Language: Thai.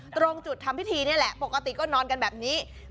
ตรงจุดทำพิธีนี่แหละปกติก็นอนกันแบบนี้